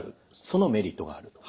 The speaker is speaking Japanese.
そのメリットがあると。